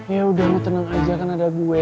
ya udah lu tenang aja kan ada gue